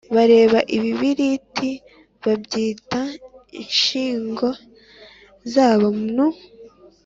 Bareba ibibiriti, babyita inshingo zabo nu :